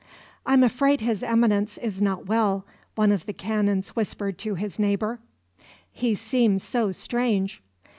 "I'm afraid His Eminence is not well," one of the canons whispered to his neighbour; "he seems so strange."